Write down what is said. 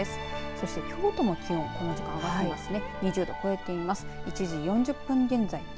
そして、京都の気温この時間、上がっていますね。